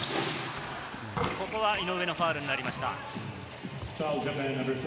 ここは井上のファウルになりました。